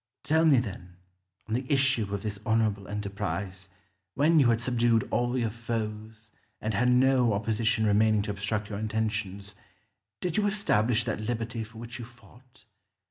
Tell me then, on the issue of this honourable enterprise, when you had subdued all your foes and had no opposition remaining to obstruct your intentions, did you establish that liberty for which you fought?